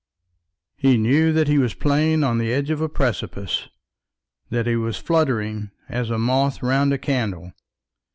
He knew that he was playing on the edge of a precipice, that he was fluttering as a moth round a candle.